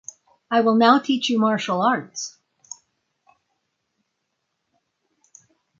I will now teach you martial arts.